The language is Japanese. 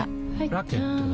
ラケットは？